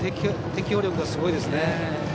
適応力がすごいですね。